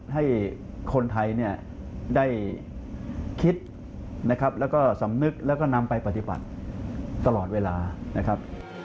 ให้คนไทยเนี่ยได้คิดนะครับแล้วก็สำนึกแล้วก็นำไปปฏิบัติตลอดเวลานะครับ